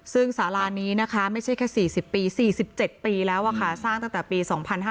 ซึ่งสารานี้นะคะไม่ใช่แค่๔๐ปี๔๗ปีแล้วสร้างตั้งแต่ปี๒๕๕๙